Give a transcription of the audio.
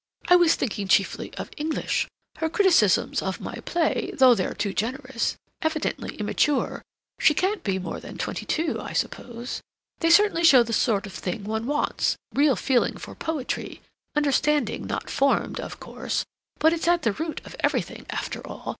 I was thinking chiefly of English. Her criticisms of my play, though they're too generous, evidently immature—she can't be more than twenty two, I suppose?—they certainly show the sort of thing one wants: real feeling for poetry, understanding, not formed, of course, but it's at the root of everything after all.